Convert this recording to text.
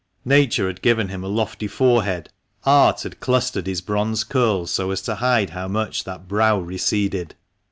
Nature had given him a lofty forehead, art had clustered his bronze curls so as to hide how much that brow receded.